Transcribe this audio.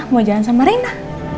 mau jalan sama reina